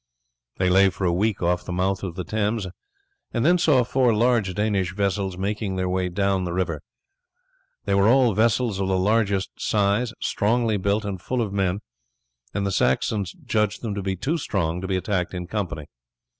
They lay for a week off the mouth of the Thames, and then saw four large Danish vessels making their way down the river. They were all vessels of the largest size, strongly built, and full of men, and the Saxons judged them to be too strong to be attacked in company.